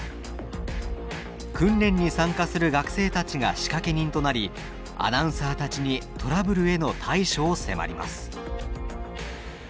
訓練に参加する学生たちが仕掛け人となりアナウンサーたちにトラブルへの対処を迫ります。